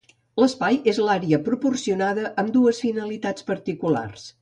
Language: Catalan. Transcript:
L'espai és l'àrea proporcionada amb unes finalitats particulars.